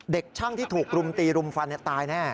เด็กช่างที่ถูกรุมตีรุมฟันตายแน่